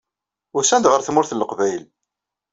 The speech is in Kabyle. Usan-d ɣer Tmurt n Leqbayel.